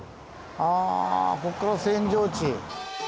あぁこっから扇状地。